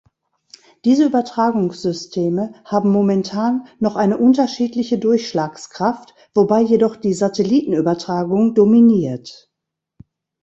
Diese Übertragungssysteme haben momentan noch eine unterschiedliche Durchschlagskraft, wobei jedoch die Satellitenübertragung dominiert.